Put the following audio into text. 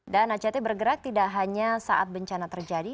dan act bergerak tidak hanya saat bencana terjadi